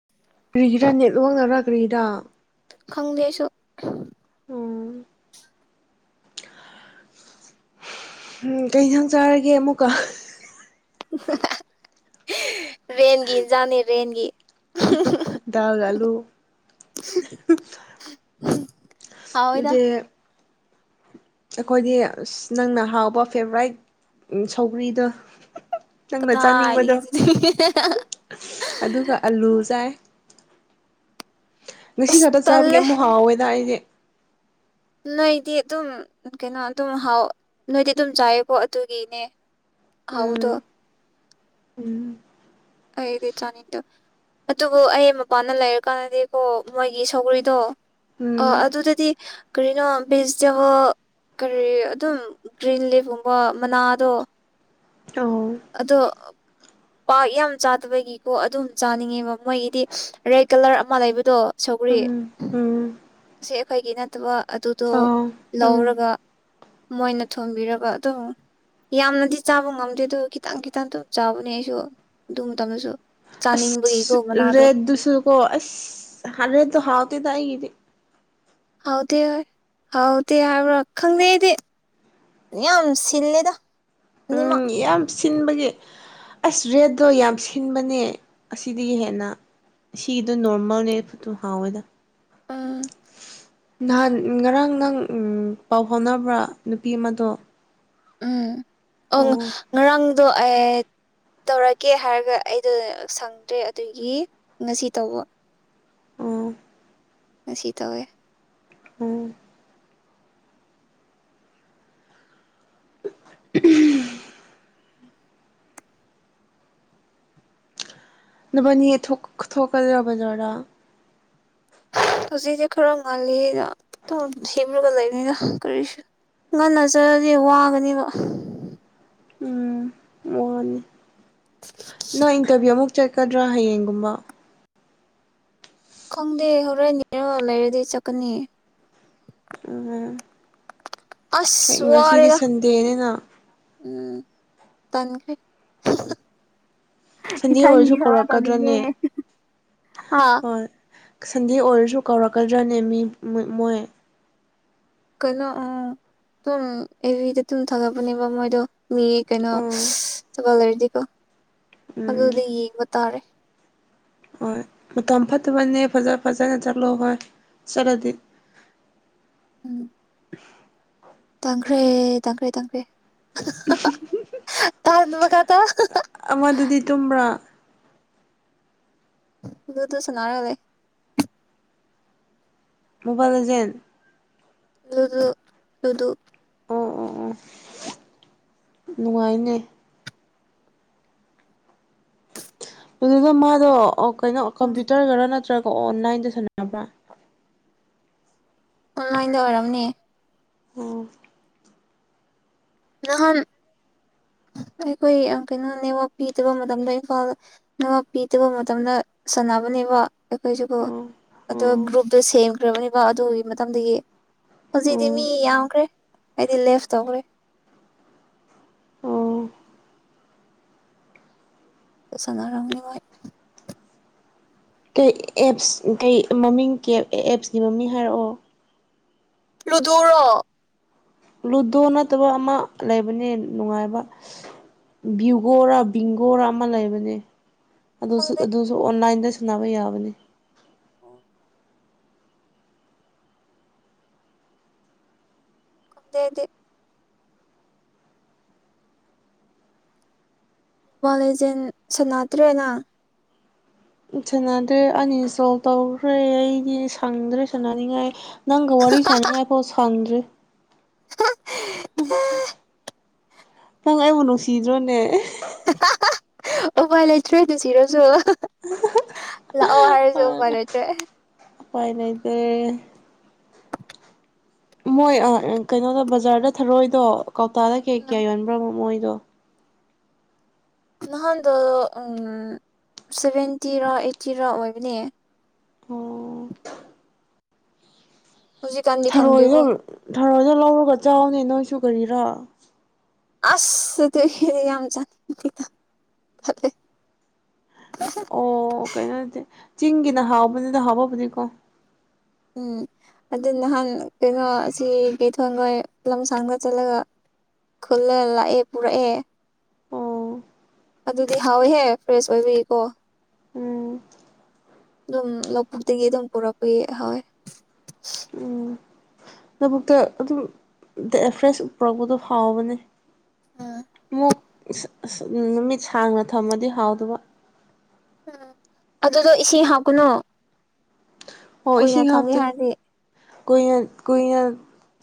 [unintelligible] ꯀ꯭ꯔꯤꯔꯥ ꯈꯪꯗꯦ ꯑꯩꯁꯨ ꯎꯝ ꯎꯝ ꯀꯩꯁꯥꯡ ꯆꯥꯔꯒꯦ ꯑꯃꯨꯛꯀ ꯍꯥꯍꯥ ꯔꯦꯟꯒꯤ ꯏꯟꯖꯥꯡꯅꯦ ꯔꯦꯟꯒꯤ [unintelligible] ꯍꯥꯎꯋꯦꯗ [unintelligible] ꯑꯩꯈꯣꯏꯗꯤ ꯑꯁ ꯅꯪꯅ ꯍꯥꯎꯕ ꯐꯦꯚꯣꯔꯥꯏꯠ ꯁꯧꯒ꯭ꯔꯤꯗꯣ ꯅꯪꯅ ꯀꯗꯥꯏꯗꯒꯤ ꯆꯥꯅꯤꯡꯕꯗꯣ ꯑꯗꯨꯗꯤ ꯑꯗꯨꯒ ꯑꯂꯨ ꯆꯥꯏ ꯉꯁꯤ ꯑꯁ ꯈꯛꯇ ꯆꯥꯕꯒꯤ ꯇꯜꯂꯦ ꯑꯃꯨꯛ ꯍꯥꯎꯋꯦꯗ ꯑꯩꯗꯤ ꯅꯣꯏꯗꯤ ꯑꯗꯨꯝ ꯀꯩꯅꯣ ꯑꯗꯨꯝ ꯍꯥꯎ ꯅꯣꯏꯗꯤ ꯑꯗꯨꯝ ꯆꯥꯏꯌꯦꯀꯣ ꯑꯗꯨꯒꯤꯅꯦ ꯍꯥꯎꯕꯗꯣ ꯎꯝ ꯎꯝ ꯑꯩꯗꯤ ꯆꯥꯅꯤꯡꯗꯦ ꯑꯗꯨꯕꯨ ꯑꯩ ꯃꯄꯥꯟꯅ ꯂꯩꯔꯀꯥꯟꯗꯗꯤꯀꯣ ꯃꯣꯏꯒꯤ ꯁꯧꯒ꯭ꯔꯤꯗꯣ ꯎꯝ ꯑꯗꯨꯗꯗꯤ ꯀꯔꯤꯅꯣ ꯚꯤꯖꯤꯇꯦꯕꯜ ꯀꯔꯤ ꯑꯗꯨꯝ ꯒ꯭ꯔꯤꯟ ꯂꯤꯐꯒꯨꯝꯕ ꯃꯅꯥꯗꯣ ꯑꯧ ꯑꯗꯣ ꯄꯥꯥꯛ ꯌꯥꯝ ꯆꯥꯗꯕꯒꯤꯀꯣ ꯑꯗꯨꯝ ꯆꯥꯅꯤꯡꯉꯦꯕ ꯃꯣꯏꯒꯤꯗꯤ ꯔꯦꯗ ꯀꯂ꯭ꯔ ꯑꯃ ꯂꯩꯕꯗꯣ ꯁꯧꯒꯔꯤ ꯎꯝ ꯎꯝ ꯑꯁꯦ ꯑꯩꯈꯣꯏꯒꯤ ꯅꯠꯇꯕ ꯑꯗꯨꯗꯣ ꯑꯧ ꯎꯝ ꯂꯧꯔꯒ ꯃꯣꯏꯅ ꯊꯣꯡꯕꯤꯔꯒ ꯑꯗꯨꯝ ꯌꯥꯝꯅꯗꯤ ꯆꯥꯕ ꯉꯝꯗꯦ ꯑꯗꯨ ꯈꯤꯇꯪ ꯈꯤꯇꯪ ꯑꯗꯨꯝ ꯆꯥꯕꯅꯦ ꯑꯩꯁꯨ ꯑꯗꯨ ꯃꯇꯝꯗꯁꯨ ꯆꯥꯅꯤꯡꯕꯒꯤ ꯔꯦꯠ ꯗꯨꯁꯨꯀꯣ ꯑꯁ ꯔꯦꯠ ꯇꯣ ꯍꯥꯥꯎꯇꯦꯗ ꯑꯩꯒꯤꯗꯤ ꯍꯥꯎꯇꯦ ꯍꯣꯏ ꯍꯥꯎꯇꯦ ꯍꯥꯏꯕ꯭ꯔ ꯈꯪꯗꯦ ꯑꯩꯗꯤ ꯌꯥꯝ ꯁꯤꯜꯂꯦꯗ ꯎꯝ ꯑꯅꯤꯃꯛ ꯌꯥꯝ ꯁꯤꯟꯕꯒꯤ ꯑꯁ ꯔꯦꯠꯇꯣ ꯌꯥꯝ ꯁꯤꯟꯕꯅꯦ ꯑꯁꯤꯗꯒꯤ ꯍꯦꯟꯅ ꯁꯤꯗꯣ ꯅꯣꯔꯃꯦꯜꯅꯦ ꯐꯨꯠꯇꯨ ꯍꯥꯎꯋꯦꯗ ꯑ ꯅꯍꯥꯟ ꯉꯔꯥꯡ ꯅꯪ ꯄꯥꯎ ꯐꯥꯎꯅꯕ꯭ꯔꯥ ꯅꯨꯄꯤ ꯑꯃꯗꯣ ꯎꯝ ꯑꯪ ꯑꯣ ꯉꯔꯥꯡ ꯑꯗꯣ ꯑꯩ ꯇꯧꯔꯛꯀꯦ ꯍꯥꯏꯔꯒ ꯑꯩꯗꯣ ꯁꯪꯗ꯭ꯔꯦ ꯑꯗꯨꯒꯤ ꯉꯁꯤ ꯇꯧꯕ ꯑꯣ ꯉꯁꯤ ꯇꯧꯋꯦ ꯑꯣ ꯎ ꯅꯕꯥꯏꯅꯤ ꯊꯣꯛ ꯊꯣꯛꯀꯗ꯭ꯔꯣ ꯕꯥꯖ꯭ꯔꯗ ꯍꯧꯖꯤꯛꯁ ꯈꯔ ꯉꯜꯂꯤꯅ ꯁꯦꯝꯂꯒ ꯂꯩꯕꯅꯤꯅ ꯀꯔꯤꯁꯨ ꯉꯟꯅꯆꯠꯔꯗꯤ ꯋꯥꯒꯅꯦꯕ ꯎꯝ ꯑꯣꯅꯤ ꯅꯪ ꯏꯟꯇꯔꯚꯤꯌꯨ ꯑꯃꯨꯛ ꯆꯠꯀꯗ꯭ꯔꯥ ꯍꯌꯦꯡꯒꯨꯝꯕ ꯈꯪꯗꯦ ꯍꯣꯔꯦꯟꯅꯤꯔꯣ ꯂꯩꯔꯗꯤ ꯆꯠꯀꯅꯤ ꯑ ꯑꯁꯁ ꯋꯥꯔꯦꯗ ꯎꯝ ꯇꯟꯈ꯭ꯔꯦ ꯁꯟꯗꯦ ꯏꯊꯟꯒꯤ ꯑꯣꯏꯔꯁꯨ ꯊꯕꯛ ꯇꯧꯅꯤꯡꯉꯦ ꯀꯧꯔꯛꯀꯗ꯭ꯔꯅꯦ ꯑꯥ ꯍꯣꯏ ꯁꯟꯗꯦ ꯑꯣꯏꯔꯁꯨ ꯀꯧꯔꯛꯀꯗ꯭ꯔꯥꯅꯦ ꯃꯤ ꯃꯣꯏ ꯀꯩꯅꯣ ꯑ ꯇꯨꯝ ꯑꯦꯚꯤꯗ ꯑꯗꯨꯨꯝ ꯊꯥꯒꯠꯄꯅꯦꯕ ꯃꯣꯏꯗꯣ ꯃꯤ ꯀꯩꯅꯣ ꯑꯣ ꯊꯒꯠ ꯂꯩꯔꯗꯤꯀꯣ ꯎꯝ ꯑꯗꯨꯗ ꯌꯦ ꯇꯔꯦ ꯍꯣꯏ ꯃꯇꯝ ꯐꯠꯇꯕꯅꯦ ꯐꯖ ꯐꯖꯅ ꯆꯠꯂꯣ ꯍꯣꯏ ꯆꯠꯂꯗꯤ ꯎꯝ [unintelligible] ꯇꯪꯈ꯭ꯔꯦ ꯇꯪꯈ꯭ꯔꯦ ꯇꯪꯈ꯭ꯔꯦ [unintelligible] [unintelligible] ꯑꯃꯗꯨꯗꯤ ꯇꯨꯝꯕ꯭ꯔꯥ ꯂꯨꯗꯣ ꯁꯅꯥꯔ ꯂꯩ ꯃꯣꯕꯥꯏꯜ ꯑꯦꯖꯦꯟ ꯂꯨꯗꯨ ꯂꯨꯗꯨ ꯑꯣ ꯑꯣ ꯑꯣ ꯅꯨꯡꯉꯥꯏꯅꯦ ꯑꯗꯨꯗꯣ ꯃꯥꯗꯣ ꯀꯩꯅꯣ ꯎꯝ ꯀꯝꯄ꯭ꯌꯨꯇꯔ ꯗꯔ ꯅꯠꯇ꯭ꯔꯒ ꯑꯣ ꯑꯣꯟꯂꯥꯏꯟꯗ ꯁꯥꯟꯔꯕ꯭ꯔꯥ ꯑꯣꯟꯂꯥꯟ ꯑꯣ ꯅꯍꯥꯟ ꯑꯩꯈꯣꯏ ꯌꯥꯝ ꯀꯩꯅꯣ ꯅꯦꯋꯥꯛ ꯄꯤꯗꯕ ꯃꯇꯝꯗ ꯏꯝꯐꯥꯜ ꯅꯦꯋꯥꯛ ꯄꯤꯗꯕ ꯃꯇꯝꯗ ꯁꯥꯟꯅꯕꯅꯦꯕ ꯑꯩꯈꯣꯏꯁꯤꯕꯨ ꯑꯣ ꯑ ꯒ꯭ꯔꯨꯞꯇꯣ ꯁꯦꯝꯈ꯭ꯔꯕꯅꯦꯕ ꯑꯗꯨꯒꯤ ꯃꯇꯝꯗꯒꯤ ꯑꯣ ꯍꯧꯖꯤꯛꯇꯤ ꯃꯤ ꯌꯥꯝꯈ꯭ꯔꯦ ꯑꯩꯗꯤ ꯂꯦꯐ ꯇꯧꯈ꯭ꯔꯦ ꯑꯣ ꯁꯅꯔꯝꯅꯤ ꯃꯣꯏ ꯀꯩ ꯑꯦꯞꯁ ꯀꯩ ꯃꯃꯤꯡ ꯑꯦꯞꯁꯀꯤ ꯃꯃꯤꯡ ꯍꯥꯏꯔꯛꯑꯣ ꯂꯨꯗꯣꯔꯣ ꯂꯨꯗꯣ ꯅꯠꯇꯕ ꯑꯃ ꯂꯩꯕꯅꯦ ꯅꯨꯡꯉꯥꯏꯕ ꯚ꯭ꯌꯨꯒꯣꯔ ꯕꯤꯡꯒꯣꯔ ꯑꯃ ꯂꯩꯕꯅꯦ ꯑꯗꯨꯁꯨ ꯈꯪꯗꯦ ꯑꯗꯨꯁꯨ ꯑꯣꯟꯂꯥꯏꯟꯗ ꯁꯅꯥꯕ ꯌꯥꯕꯅꯦ ꯑꯣ ꯈꯪꯗꯦ ꯑꯩꯗꯤ ꯃꯣꯕꯥꯏꯜ ꯑꯦꯖꯦꯟ ꯁꯥꯟꯅꯗ꯭ꯔꯦꯅ ꯁꯥꯟꯅꯗ꯭ꯔꯦ ꯑꯅꯟ ꯏꯟꯁꯇꯣꯜ ꯇꯧꯈ꯭ꯔꯦ ꯑꯩꯗꯤ ꯁꯪꯗ꯭ꯔꯦ ꯁꯥꯟꯅꯅꯤꯡꯉꯥꯏ ꯅꯪꯒ ꯋꯥꯔꯤ ꯁꯅꯤꯡꯉꯥꯏꯐꯥꯎ ꯁꯥꯟꯗ꯭ꯔꯦ [inaudible] ꯅꯪ ꯑꯩꯕꯨ ꯅꯨꯡꯁꯤꯗ꯭ꯔꯣꯅꯦ [inaudible] ꯑꯨꯄꯥꯏ ꯂꯩꯇ꯭ꯔꯦ ꯅꯨꯡꯁꯤꯔꯁꯨ ꯂꯥꯛꯑꯣ ꯍꯥꯏꯔꯖꯨ ꯎꯄꯥꯏꯂꯩꯇ꯭ꯔꯦ ꯎꯄꯥꯏ ꯂꯩꯇꯦ ꯃꯣꯏ ꯀꯩꯅꯣꯗ ꯕꯖꯥꯔꯗ ꯊꯥꯔꯣꯏꯗꯣ ꯀꯧꯇꯥꯗ ꯀꯦ ꯎꯝ ꯀꯌꯥ ꯌꯣꯟꯕ꯭ꯔꯕ ꯃꯣꯏ [inaudible] ꯅꯍꯥꯟꯗꯣ ꯁꯚꯦꯟꯇꯤꯔꯥ ꯑꯩꯠꯇꯤꯔ ꯑꯣꯏꯕꯅꯦ ꯑꯣ ꯍꯧꯖꯤꯛꯀꯥꯟꯗꯤ ꯊꯔꯣꯏꯗꯣ ꯈꯪꯗꯦꯀꯣ ꯊꯔꯣꯏꯗꯣ ꯂꯧꯔꯒ ꯆꯥꯎꯑꯣꯅꯦ ꯅꯣꯏꯁꯨ ꯀꯨꯔꯤꯔꯥ [unintelligible] ꯑꯣ ꯀꯩꯅꯣꯗꯤ ꯆꯤꯡꯒꯤꯅ ꯍꯥꯎꯕꯅꯤꯗ ꯍꯥꯎꯕꯕꯨꯗꯤꯀꯣ ꯎꯝ ꯑꯗꯨ ꯅꯍꯥꯟ ꯀꯩꯅꯣ ꯁꯤ ꯀꯩꯊꯣꯏꯈꯣꯏ ꯂꯝꯁꯥꯡꯗ ꯆꯠꯂꯒ ꯈꯨꯜꯂ ꯂꯥꯛꯑꯦ ꯄꯨꯔꯛꯑꯦ ꯑꯣ ꯑꯗꯨꯗꯤ ꯍꯥꯎꯋꯦꯍꯦ ꯐ꯭ꯔꯦꯁ ꯑꯣꯏꯕꯒꯤꯀꯣ ꯎꯝ ꯑꯗꯨꯝ ꯂꯧꯄꯨꯛꯇꯒꯤꯩꯑꯗꯨꯝ ꯄꯨꯔꯛꯄꯒꯤ ꯍꯥꯎꯋꯦ ꯂꯕꯨꯛꯇ ꯑꯗꯨꯝ ꯐ꯭ꯔꯦꯁ ꯄꯨꯔꯛꯄꯗꯣ ꯍꯥꯎꯕꯅꯦ ꯎꯝ ꯃꯨꯛ ꯑꯁ ꯑꯁ ꯅꯨꯃꯤꯠ ꯁꯥꯡꯅ ꯊꯝꯃꯗꯤ ꯍꯥꯎꯇꯕ ꯎꯝ ꯑꯗꯨꯗꯣ ꯏꯁꯤꯡ ꯍꯥꯞꯀꯅꯨ ꯑꯣ ꯀꯨꯏꯅ ꯏꯁꯤꯡ ꯊꯝꯒꯦ ꯍꯥꯞꯇꯦ ꯍꯥꯏꯔꯗꯤ ꯀꯨꯏꯅ ꯀꯨꯏꯅ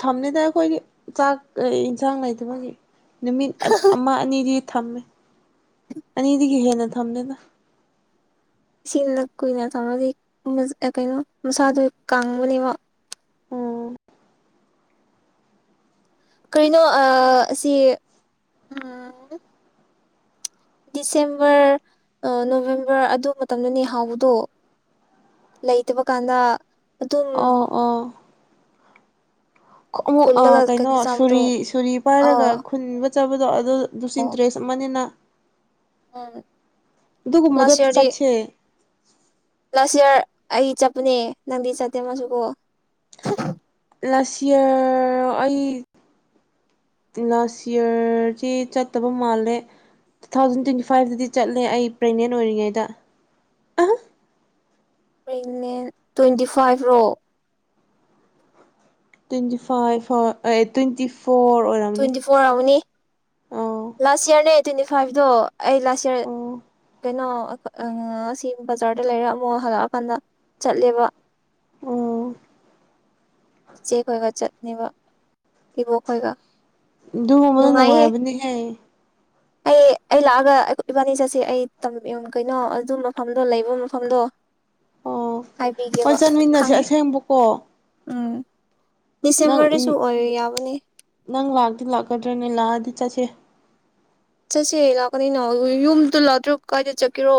ꯊꯝꯅꯤꯗ ꯑꯩꯈꯣꯏꯗꯤ ꯆꯥꯛ ꯌꯦꯟꯁꯥꯡ ꯂꯩꯇꯕꯒꯤ ꯅꯨꯃꯤꯠ ꯑꯃ ꯑꯅꯤꯗꯤ ꯊꯝꯃꯦ ꯑꯅꯤ ꯗꯒꯤ ꯍꯦꯟꯅ [unintelligible] ꯏꯁꯤꯡꯅ ꯀꯨꯏꯅ ꯊꯝꯃꯗꯤ ꯑꯝ ꯀꯩꯅꯣ ꯃꯁꯥꯗꯣ ꯀꯪꯕꯅꯦꯕ ꯎꯝ ꯀꯩꯅꯣ ꯑ ꯁꯤ ꯑꯝ ꯗꯤꯁꯦꯝꯕꯔ ꯅꯣꯕꯦꯝꯕꯔ ꯑꯗꯨ ꯃꯇꯝꯗꯅꯦ ꯍꯥꯎꯕꯗꯣ ꯂꯩꯇꯕ ꯀꯥꯟꯗ ꯑꯗꯨꯝ ꯑ ꯑꯥ ꯑꯃꯨꯛ ꯑꯥ ꯈꯨꯜꯂꯒ ꯀꯩꯅꯣ ꯆꯥꯕꯗꯣ ꯁꯨꯔꯤ ꯁꯨꯔꯤ ꯄꯥꯏꯔꯒ ꯑꯥ ꯈꯨꯟ ꯆꯕꯗ [unintelligible] ꯑꯥ ꯗꯨꯒꯨꯝꯕꯗꯣ ꯆꯠꯁꯦ ꯂꯥꯁꯏꯌꯔ ꯑꯩ ꯆꯠꯄꯅꯦ ꯅꯪꯗꯤ ꯆꯠꯇꯦ ꯃꯥꯁꯨꯀꯣ ꯂꯥꯁ ꯏꯔ ꯑꯩ ꯂꯥꯁ ꯌꯔꯖꯤ ꯆꯠꯇꯕ ꯃꯥꯜꯂꯦ ꯇꯨ ꯊꯥꯎꯖꯟ ꯇ꯭ꯋꯦꯟꯇꯤ ꯐꯥꯏꯚꯇꯗꯤ ꯆꯠꯂꯦ ꯑꯩ ꯄ꯭ꯔꯦꯒꯅꯦꯟ ꯑꯣꯏꯔꯤꯉꯩꯗ ꯄ꯭ꯔꯦꯒꯅꯦꯟ ꯇ꯭ꯋꯦꯟꯇꯤ ꯐꯥꯏꯚ ꯔꯣ ꯇ꯭ꯋꯦꯟꯇꯤ ꯐꯥꯏꯚ ꯍꯣꯏ ꯑꯦ ꯇ꯭ꯋꯦꯟꯇꯤ ꯐꯣꯔ ꯑꯣꯏꯔꯝꯅꯤ ꯇ꯭ꯋꯦꯟꯇꯤ ꯐꯣꯔ ꯑꯥꯎꯔꯝꯅꯤ ꯑꯣ ꯂꯥꯁ ꯏꯌꯔꯅꯦ ꯇ꯭ꯋꯦꯟꯇꯤ ꯐꯥꯏꯚꯗꯣ ꯑꯩ ꯂꯥꯁꯏꯌ꯭ꯔ ꯑꯣ ꯀꯩꯅꯣ ꯑꯥ ꯁꯤ ꯕꯖꯥꯔꯗ ꯂꯩꯔꯛꯑꯝꯃꯨꯛ ꯍꯜꯂꯛꯑꯀꯥꯟꯗ ꯆꯠꯂꯦꯕ ꯑꯣ ꯏꯆꯦꯈꯣꯏꯒ ꯆꯠꯅꯤꯕ ꯏꯕꯣꯛ ꯈꯣꯏꯒ ꯑꯗꯨꯒꯨꯝꯕꯅ ꯅꯨꯡꯉꯥꯏꯌꯦ ꯅꯨꯡꯉꯥꯏꯕꯅꯤꯍꯦ ꯑꯩ ꯑꯩ ꯂꯥꯛꯑꯒ ꯑꯩꯏ ꯏꯕꯥꯅꯤ ꯆꯠꯁꯤ ꯑꯩ ꯇꯝ ꯎ ꯀꯩꯅꯣ ꯑꯗꯨ ꯃꯐꯝꯗꯣ ꯂꯩꯕ ꯃꯐꯝꯗꯣ ꯑꯣ ꯍꯣꯏ ꯍꯥꯏꯕꯤꯒꯦꯕ ꯆꯟꯃꯤꯟꯅꯁꯦ ꯈꯪꯉꯦ ꯑꯁꯦꯡꯕꯀꯣ ꯎꯝ ꯅꯪ ꯎꯝ ꯗꯤꯁꯦꯝꯕꯔꯗꯁꯨ ꯑꯣꯏ ꯌꯥꯕꯅꯦ ꯅꯪ ꯂꯥꯛꯇꯤ ꯂꯥꯛꯀꯗ꯭ꯔꯅꯦ ꯂꯥꯛꯑꯗꯤ ꯆꯠꯁꯦ ꯆꯠꯁꯦ ꯂꯥꯛꯀꯅꯤꯅ ꯌꯨꯝꯗ ꯂꯥꯛꯇ꯭ꯔꯒ ꯀꯥꯏꯗ ꯆꯠꯀꯦꯔꯣ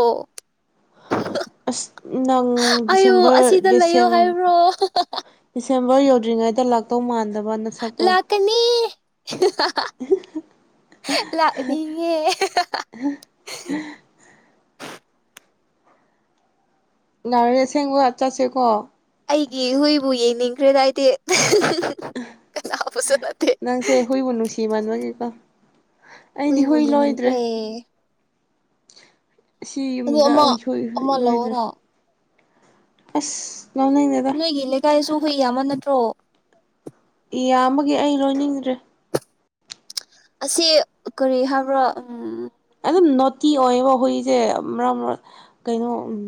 ꯑꯁ ꯅꯪ ꯑꯌꯨ ꯗꯤꯁꯦꯝꯕꯔ ꯑꯁꯤꯗ ꯂꯩꯌꯣ ꯗꯤꯁꯦꯝ ꯍꯥꯏꯕ꯭ꯔꯣ ꯗꯤꯁꯦꯝ ꯅꯣꯏ ꯌꯧꯗ꯭ꯔꯤꯉꯩꯗ ꯂꯥꯛꯇꯧ ꯃꯥꯟ ꯂꯥꯛꯀꯥꯅꯤ ꯍꯤꯍ ꯍ ꯂꯥꯛꯅꯤꯌꯦ ꯉꯥꯔꯦ ꯑꯁꯦꯡꯕ ꯆꯠꯁꯦꯀꯣ ꯑꯩꯒꯤ ꯍꯨꯏꯕꯨ ꯌꯦꯡꯅꯤꯡ ꯈ꯭ꯔꯦꯗ ꯑꯩꯗꯤ ꯀꯅꯥꯕꯨꯁꯨ ꯅꯠꯇꯦ ꯅꯪꯁꯦ ꯍꯨꯏꯕꯨ ꯅꯨꯡꯁꯤ ꯃꯟꯕꯒꯤꯀꯣ ꯍꯨꯏꯕꯨ ꯌꯦꯡꯅꯤꯡꯈꯔꯦ ꯁꯤ ꯌꯨꯝꯗ ꯑꯃ ꯑꯩ ꯍꯣꯏ ꯍꯨꯏ ꯑꯃ ꯂꯣꯏꯗ꯭ꯔꯦ ꯂꯧꯑꯣꯅ ꯑꯁ ꯂꯧꯅꯤꯡꯗꯦꯗ ꯀꯥꯏꯁꯨ ꯍꯨꯏ ꯌꯥꯝꯕ ꯅꯠꯇ꯭ꯔꯣ ꯏ ꯌꯥꯝꯕꯒꯤ ꯑꯩ ꯂꯣꯏꯅꯤꯡꯗ꯭ꯔꯦ ꯑꯁꯤ ꯀꯔꯤ ꯍꯥꯏꯕ꯭ꯔꯥ ꯎꯝ ꯑꯗꯨꯝ ꯅꯣꯇꯤ ꯑꯣꯏꯀꯣ ꯍꯣꯏꯁꯦ ꯃꯔ ꯃꯔꯛ ꯀꯩꯅꯣ ꯎꯝ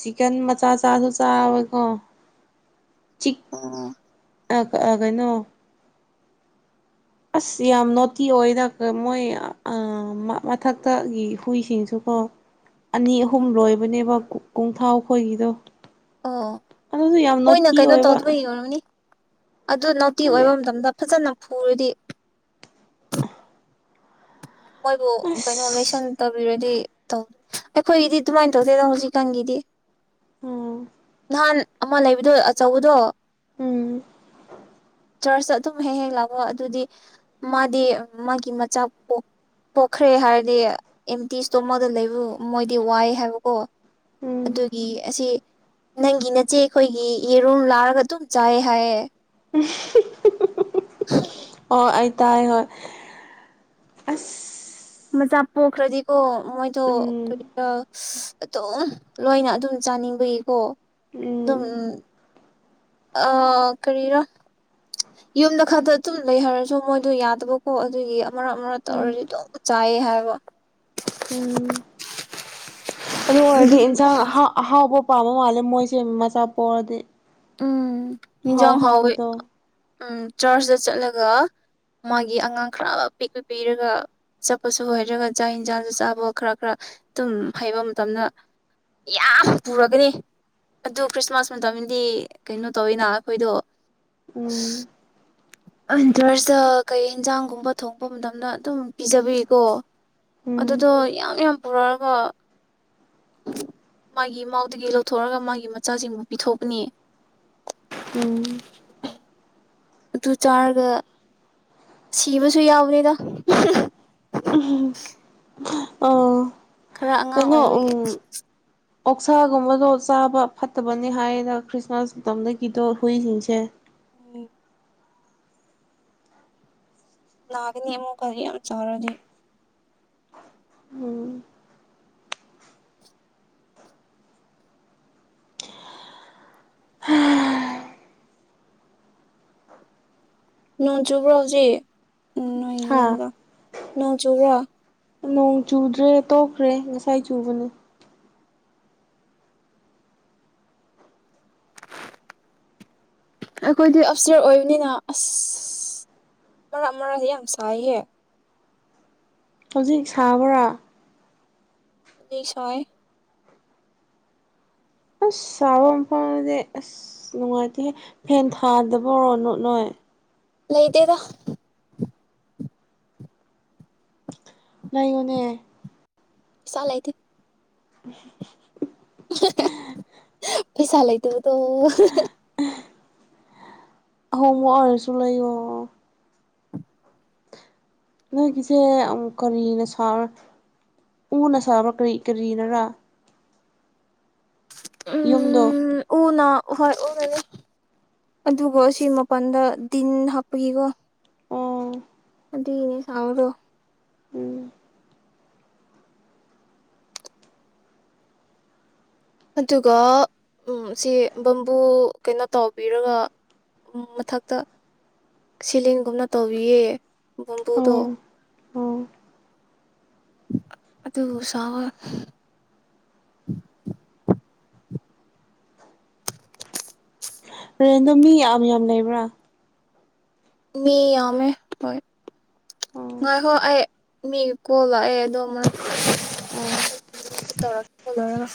ꯆꯤꯛꯀꯟ ꯃꯆꯥ ꯆꯥꯥꯁꯨ ꯆꯥꯕꯀꯣ [unintelligible] ꯑ ꯀꯑ ꯀꯩꯅꯣ ꯑꯁ ꯌꯥꯝ ꯅꯣꯇꯤ ꯑꯣꯏꯌꯦꯗ ꯀ ꯃꯣꯏ ꯑꯑꯥ ꯃꯊꯛꯇꯒꯤ ꯍꯨꯏꯁꯤꯡꯁꯨꯀꯣ ꯑꯅꯤ ꯑꯍꯨꯝ ꯂꯣꯏꯕꯅꯦꯕ ꯀꯨ ꯀꯣꯡꯊꯥꯎ ꯈꯣꯏꯒꯤꯗꯣ ꯑꯣ ꯑꯗꯨꯁꯨ ꯌꯥꯝ ꯃꯣꯏꯅ ꯅꯣꯇꯤ ꯀꯩꯅꯣ ꯑꯣꯏꯕ ꯇꯧꯗꯕꯒꯤ ꯑꯣꯏꯔꯝꯅꯤ ꯑꯗꯨ ꯅꯣꯇꯤ ꯑꯣꯏꯕ ꯃꯇꯝꯗ ꯐꯖꯅ ꯐꯨꯔꯗꯤ ꯃꯣꯏꯕꯨ ꯀꯩꯅꯣ ꯑꯁ ꯂꯣꯏꯁꯟ ꯇꯧꯕꯤꯔꯗꯤ ꯑꯩꯈꯣꯏꯒꯤꯗꯤ ꯑꯗꯨꯃꯥꯏꯅ ꯇꯧꯗꯦꯗ ꯍꯧꯖꯤꯛꯀꯥꯟꯒꯤꯗꯤ ꯑꯣ ꯃꯥꯟ ꯑꯃ ꯂꯩꯕꯗꯣ ꯑꯆꯧꯕꯗꯣ ꯎꯝ ꯆꯔꯆꯇ ꯑꯗꯨꯝ ꯍꯦꯛ ꯍꯦꯛ ꯂꯥꯛꯑꯣ ꯑꯗꯨꯗꯤ ꯃꯥꯗꯤ ꯃꯥꯒꯤ ꯃꯆꯥꯛ ꯄꯣꯛ ꯄꯣꯛꯈ꯭ꯔꯦ ꯍꯥꯏꯔꯗꯤ ꯑꯦꯝꯇꯤ ꯏꯁꯇꯣꯃꯗ ꯂꯩꯕ ꯃꯣꯏꯗꯤ ꯋꯥꯏ ꯍꯥꯏꯕꯀꯣ ꯎꯝ ꯑꯗꯨꯒꯤ ꯑꯁꯤ ꯅꯪꯒꯤ ꯅꯆꯦ ꯑꯩꯈꯣꯏꯒꯤ ꯌꯦꯔꯨꯝ ꯂꯥꯔꯒ ꯑꯗꯨꯝ ꯆꯥꯏ ꯍꯥꯏꯌꯦ [unintelligible] ꯑꯣ ꯑꯩ ꯇꯥꯏ ꯍꯣꯏ ꯑꯁ ꯃꯆꯥ ꯄꯣꯈ꯭ꯔꯗꯤꯀꯣ ꯃꯣꯏꯗ ꯎꯝ ꯀꯣꯏ ꯑꯗꯨꯝ ꯂꯣꯏꯅ ꯑꯗꯨꯝ ꯆꯥꯅꯤꯡꯕꯒꯤꯀꯣ ꯎꯝ [unintelligible] ꯑ ꯀꯔꯤꯔ ꯌꯨꯝꯗ ꯈꯔꯗ ꯑꯗꯨꯨꯝ ꯂꯩ ꯍꯥꯏꯔꯁꯨ ꯃꯣꯏꯗꯣ ꯌꯥꯗꯕꯀꯣ ꯑꯗꯨꯒꯤ ꯎꯝ [unintelligible] ꯑ ꯎꯝ ꯑꯗꯨ ꯑꯣꯏꯔꯗꯤ ꯏꯟꯁꯥꯡ ꯑꯍꯥꯎ ꯑꯍꯥꯎꯕ ꯄꯥꯝ ꯃꯥꯂꯦ ꯃꯣꯏꯁ ꯃꯆꯥꯥꯄꯣꯛ ꯑꯗꯤ ꯎꯝ ꯃꯤꯖꯝ ꯍꯥꯎꯋꯦ ꯎꯝ ꯆꯔꯆꯇ ꯆꯠꯂꯒ ꯃꯥꯒꯤ ꯑꯉꯥꯡ ꯈꯔ ꯄꯤꯛꯂꯨ ꯄꯤꯔꯒ ꯆꯠꯄꯁꯨ ꯍꯩꯔꯒ ꯆꯥꯛ ꯌꯦꯟꯁꯥꯡꯁꯨ ꯆꯥꯕ ꯈꯔ ꯈꯔ ꯑꯗꯨꯝ ꯍꯩꯕ ꯃꯇꯝꯗ ꯌꯥꯝ ꯄꯨꯔꯒꯅꯤ ꯑꯗꯨ ꯈ꯭ꯔꯤꯁꯃꯥꯁ ꯃꯇꯝꯗꯤ ꯀꯩꯅꯣ ꯇꯧꯋꯤꯅ ꯑꯩꯈꯣꯏꯗꯣ ꯎꯝ ꯏꯤꯟꯇꯔꯁꯇ ꯀꯩ ꯌꯦꯟꯖꯥꯡꯒꯨꯝꯕ ꯊꯣꯡꯄ ꯃꯇꯝꯗ ꯑꯗꯨꯝ ꯄꯤꯖꯕꯤꯀꯣ ꯎꯝ ꯑꯗꯨꯗꯣ ꯌꯥꯝ ꯌꯥꯝ ꯄꯨꯔꯛꯑꯒ ꯃꯥꯒꯤ ꯏꯃꯎꯗꯒꯤ ꯂꯧꯊꯣꯛꯑꯒ ꯃꯥꯒꯤ ꯃꯆꯥꯁꯤꯡꯕꯨ ꯄꯤꯊꯣꯛꯀꯅꯤ ꯎꯝ ꯑꯗꯨ ꯆꯥꯔꯒ ꯁꯤꯕꯁꯨ ꯌꯥꯎꯎꯅꯦꯗ ꯑꯥ ꯈꯔ ꯑꯉꯥꯡ ꯀꯩꯅꯣ ꯑꯣꯏꯔꯤ ꯎꯝ ꯑꯣꯛꯁꯥꯒꯨꯝꯕꯗꯣ ꯆꯥꯕ ꯐꯠꯇꯕꯅꯤ ꯍꯥꯏꯌꯦꯅ ꯈ꯭ꯔꯤꯁꯃꯥꯁ ꯃꯇꯝꯗꯒꯤꯗꯣ ꯍꯨꯏꯁꯤꯡꯁꯦ ꯑꯣ ꯂꯅꯥꯒꯅꯤꯃꯨ ꯀꯔꯤ ꯌꯥꯝ ꯆꯔꯣꯗꯤ ꯎꯝ ꯅꯣꯡ ꯆꯨꯕ꯭ꯔꯣ ꯍꯧꯖꯤꯛ ꯎꯝ ꯅꯣꯏ ꯍꯥ ꯌꯣꯝꯗ ꯅꯣꯡ ꯆꯨꯕ꯭ꯔꯥ ꯅꯣꯡ ꯆꯨꯗ꯭ꯔꯦ ꯇꯣꯛꯈ꯭ꯔꯦ ꯉꯁꯥꯏ ꯆꯨꯕꯅꯦ ꯑꯩꯈꯣꯏꯗꯤ ꯑꯞꯁꯔ ꯑꯣꯏꯕꯅꯤꯅ ꯑꯁ ꯃꯔꯛ ꯃꯔꯥꯛꯁꯦ ꯌꯥꯝ ꯁꯥꯏꯍꯦ ꯍꯧꯖꯤꯛ ꯁꯥꯕ꯭ꯔꯥ ꯂꯩꯁꯣꯏ ꯑꯁ ꯆꯥꯕ ꯃꯐꯝꯗꯗꯤ ꯑꯁ ꯅꯨꯡꯉꯥꯏꯇꯦꯍꯦ ꯐꯦꯟ ꯊꯥꯗꯕ ꯑꯣꯏꯔꯣꯅꯣ ꯅꯣꯏ ꯂꯩꯗꯦꯗ ꯂꯩꯕꯅꯦ ꯄꯩꯁꯥ ꯂꯩꯇꯦ [inaudible] ꯑꯍ ꯄꯩꯁꯥ ꯂꯩ ꯇꯕꯗꯣ ꯑꯍꯣꯡꯕ ꯑꯣꯏꯔꯁꯨ ꯂꯩ ꯌꯣ ꯅꯣꯏꯒꯤꯁꯦ ꯎꯝ ꯀꯔꯤꯅ ꯁꯥꯕ꯭ꯔꯥ ꯎꯅ ꯁꯥꯕ꯭ꯔꯥ ꯀꯔꯤ ꯀꯔꯤꯅꯔꯥ ꯌꯨꯝꯗꯣ ꯎꯝ ꯎꯅ ꯍꯣꯏ ꯑꯣꯢꯔꯔꯣꯢ ꯑꯗꯨꯒ ꯁꯤ ꯃꯄꯥꯟꯗ ꯗꯤꯟ ꯍꯥꯞꯄꯒꯤꯀꯣ ꯑꯣ ꯑꯗꯨꯒꯤꯅꯦ ꯁꯥꯕꯗꯣ ꯎꯝ ꯑꯗꯨꯒ ꯎꯝ ꯁꯤ ꯕꯝꯕꯨ ꯀꯩꯅꯣ ꯇꯧꯕꯤꯔꯒ ꯃꯊꯛꯇ ꯁꯤꯂꯤꯡꯒꯨꯝꯅ ꯇꯧꯕꯤꯌꯦ ꯕꯝꯕꯨꯗꯣ ꯑꯣ ꯑꯣ ꯑꯗꯨ [unintelligible] ꯔꯦꯟꯗꯣ ꯃꯤ ꯌꯥꯝ ꯌꯥꯝ ꯂꯩꯕ꯭ꯔꯥ ꯃꯤ ꯌꯥꯝꯃꯦ ꯍꯣꯏ ꯑꯣ ꯉꯥꯏꯈꯣ ꯑꯩ ꯃꯤ ꯀꯣꯜ ꯂꯥꯛꯑꯦ ꯑꯗꯣ ꯑꯃꯔꯛ ꯑꯣ ꯇꯧꯔꯛꯄ ꯂꯣꯢꯔꯒ